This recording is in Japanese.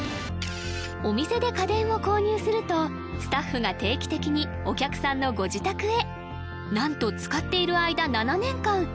お店で家電を購入するとスタッフが定期的にお客さんのご自宅へなんと使っている間７年間